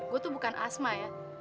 gue tuh bukan asma ya